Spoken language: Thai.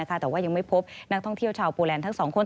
แต่ว่ายังไม่พบนักท่องเที่ยวชาวโปแลนด์ทั้ง๒คน